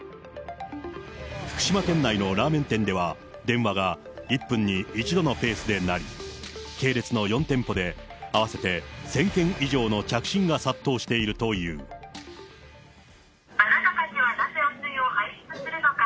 福島県内のラーメン店では、電話が１分に１度のペースで鳴り、系列の４店舗で合わせて１０００件以上の着信が殺到しているといあなたたちはなぜ汚水を排出するのか。